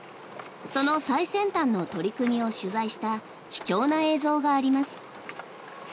その最先端の取り組みを取材した貴重な映像があります。